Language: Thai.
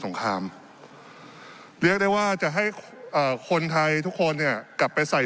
งครามเรียกได้ว่าจะให้เอ่อคนไทยทุกคนเนี่ยกลับไปใส่